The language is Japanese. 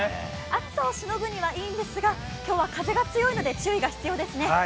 暑さをしのぐにはいいんですが、今日は風が強いので注意が必要ですね。